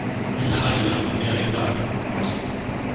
Il-Ħajja hija Rigal.